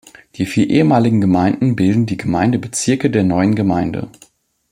Die vier ehemaligen Gemeinden bilden die Gemeindebezirke der neuen Gemeinde.